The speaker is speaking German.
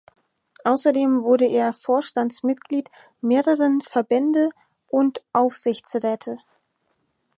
Außerdem wurde er Vorstandsmitglied mehreren Verbände und Aufsichtsräte.